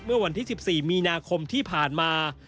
เมื่อวันที่๑๔มีนาคมที่ผ่านมา